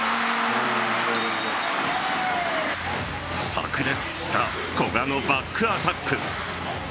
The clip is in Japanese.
炸裂した古賀のバックアタック。